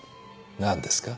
何ですか？